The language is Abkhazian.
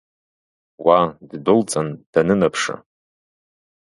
Уа, дыдәылҵын данынаԥшы…